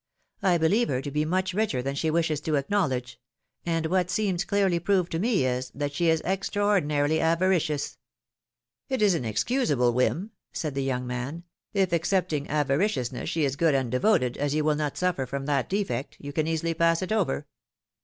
I believe her to be much richer than she wishes to acknowledge ; and what seems clearly proved to me is, that she is extraordinarily avaricious 1 It is an excusable whim,'^ said the young man ; if, excepting avariciousness, she is good and devoted, as you will not suffer from that defect, you can easily pass it over.